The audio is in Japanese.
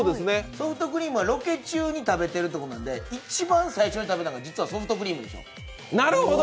ソフトクリームはロケ中に食べてるってことなんで一番最初に食べたのが、実はソフトクリームでしょう。